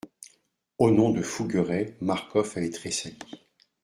Au nom de Fougueray, Marcof avait tressailli.